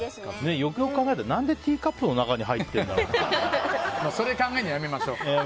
よくよく考えたら何で、ティーカップの中にそれを考えるのやめましょう。